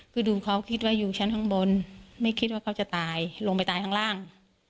คือดูเขาคิดว่าอยู่ชั้นข้างบนไม่คิดว่าเขาจะตายลงไปตายข้างล่าง